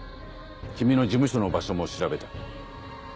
君の事務所の場所も調べた。